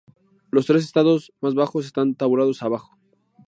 Los tres estados más bajos están tabulados abajo.